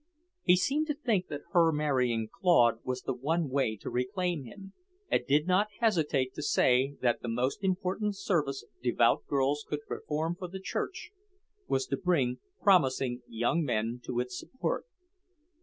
He seemed to think that her marrying Claude was the one way to reclaim him, and did not hesitate to say that the most important service devout girls could perform for the church was to bring promising young men to its support.